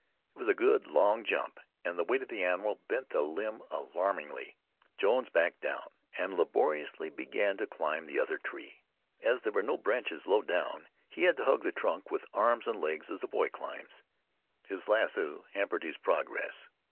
It was a good long jump, and the weight of the animal bent the limb alarmingly. Jones backed down, and laboriously began to climb the other tree. As there were no branches low down, he had to hug the trunk with arms and legs as a boy climbs. His lasso hampered his progress.